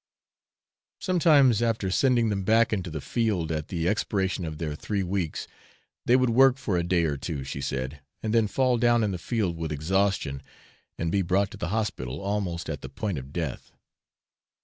Sometimes, after sending them back into the field, at the expiration of their three weeks, they would work for a day or two, she said, and then fall down in the field with exhaustion, and be brought to the hospital almost at the point of death.